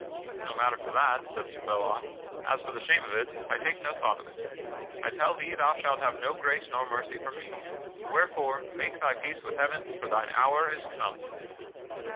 "No matter for that," said Sir Phelot; "as for the shame of it, I take no thought of it. I tell thee thou shalt have no grace nor mercy from me. Wherefore make thy peace with Heaven, for thine hour is come."